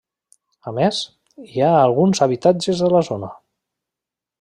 A més, hi ha alguns habitatges a la zona.